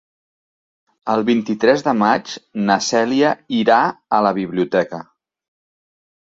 El vint-i-tres de maig na Cèlia irà a la biblioteca.